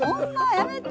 やめて。